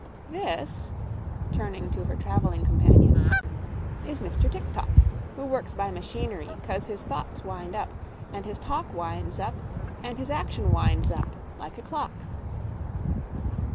This," turning to her traveling companions, "is Mr. Tik tok, who works by machinery 'cause his thoughts wind up, and his talk winds up, and his action winds up like a clock."